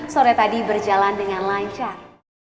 sore tadi berjalan dengan lancar